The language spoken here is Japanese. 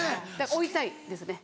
追いたいですね。